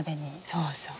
そうそう。